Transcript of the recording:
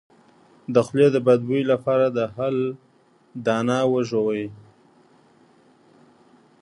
د خولې د بد بوی لپاره د هل دانه وژويئ